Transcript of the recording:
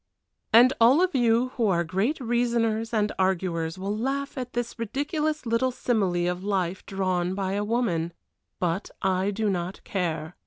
And all of you who are great reasoners and arguers will laugh at this ridiculous little simile of life drawn by a woman; but I do not care.